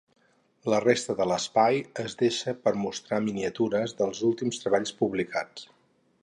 La resta de l'espai es deixa per mostrar miniatures dels últims treballs publicats.